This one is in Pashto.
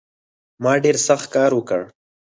ما ډېر سخت کار وکړ